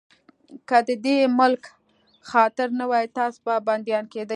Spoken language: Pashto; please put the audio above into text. که د دې ملک خاطر نه وای، تاسې به بنديان کېدئ.